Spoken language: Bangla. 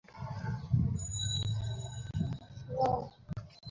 সেলুনের ওই ছেলেটার হাতেও এমন চিহ্ন ছিল।